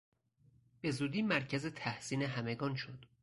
به زودی مرکز تحسین همگان شد.